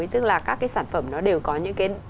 tức là các cái sản phẩm nó đều có những cái